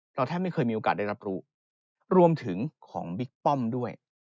แทบไม่เคยมีโอกาสได้รับรู้รวมถึงของบิ๊กป้อมด้วย